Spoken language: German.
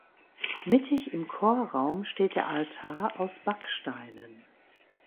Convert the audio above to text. Mittig im Chorraum steht der Altar aus Backsteinen.